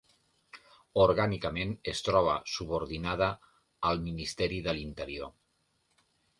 Orgànicament, es troba subordinada al Ministeri de l'Interior.